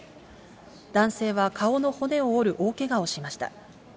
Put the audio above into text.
男性は顔の骨を折る大けがをしました。